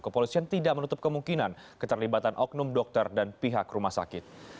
kepolisian tidak menutup kemungkinan keterlibatan oknum dokter dan pihak rumah sakit